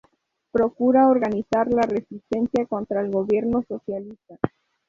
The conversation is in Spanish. Procura organizar la resistencia contra el gobierno socialista.